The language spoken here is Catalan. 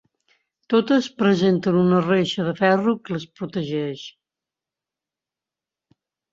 Totes presenten una reixa de ferro que les protegeix.